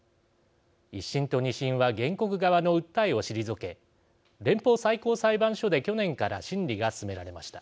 １審と２審は原告側の訴えを退け連邦最高裁判所で去年から審理が進められました。